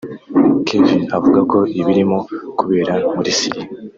Kevin avuga ko ibirimo kubera muri Syria